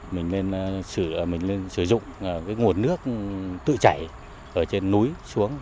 mình nên sử dụng nguồn nước tự chảy ở trên núi xuống